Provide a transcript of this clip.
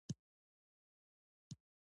چینايي بانکونه پورونه په اسانۍ ورکوي.